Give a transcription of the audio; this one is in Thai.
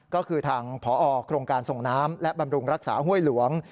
ก็คือทางผอโครงการส่งน้ำและบำรุงรักษาห้วยหลวง